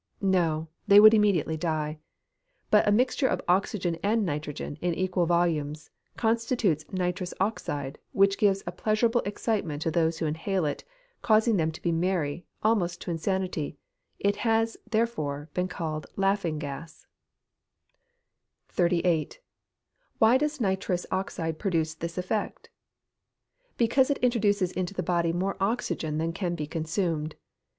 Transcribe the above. _ No; they would immediately die. But a mixture of oxygen and nitrogen, in equal volumes, constitutes nitrous oxide, which gives a pleasurable excitement to those who inhale it, causing them to be merry, almost to insanity; it has, therefore, been called laughing gas. 38. Why does nitrous oxide produce this effect? Because it introduces into the body more oxygen than can be consumed.